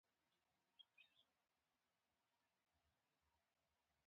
خوب د ذهن غږ دی